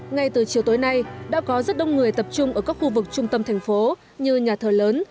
ngay từ chiều tối nay đã có rất đông người tập trung ở các khu vực trung tâm thành phố như nhà thờ lớn